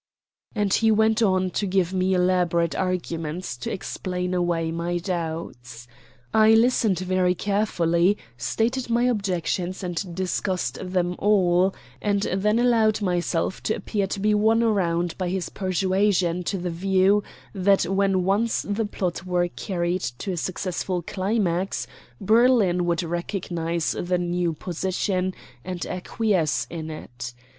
And he went on to give me elaborate arguments to explain away my doubts. I listened very carefully, stated my objections, and discussed them all; and then allowed myself to appear to be won round by his persuasion to the view that when once the plot were carried to a successful climax Berlin would recognize the new position and acquiesce in it.